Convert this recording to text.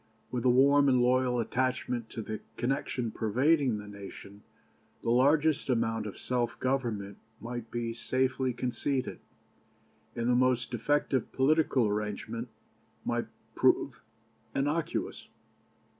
With a warm and loyal attachment to the connection pervading the nation, the largest amount of self government might be safely conceded, and the most defective political arrangement might prove innocuous.